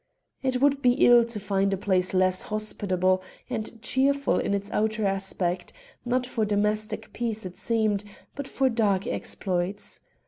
It would be ill to find a place less hospitable and cheerful in its outer aspect; not for domestic peace it seemed, but for dark exploits.